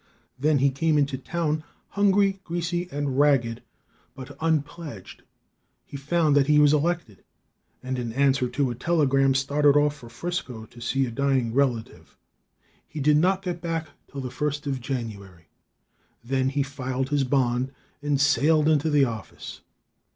Then he came into town hungry, greasy and ragged, but unpledged. He found that he was elected, and in answer to a telegram started off for 'Frisco to see a dying relative. He did not get back till the first of January. Then he filed his bond and sailed into the office.